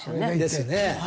ですね。